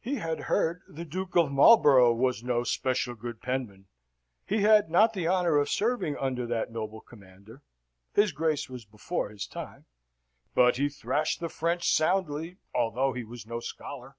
He had heard the Duke of Marlborough was no special good penman. He had not the honour of serving under that noble commander his Grace was before his time but he thrashed the French soundly, although he was no scholar."